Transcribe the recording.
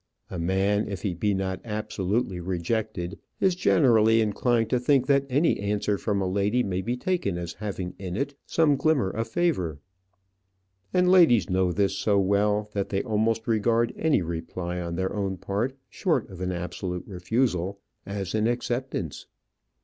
A man, if he be not absolutely rejected, is generally inclined to think that any answer from a lady may be taken as having in it some glimmer of favour. And ladies know this so well, that they almost regard any reply on their own part, short of an absolute refusal, as an acceptance.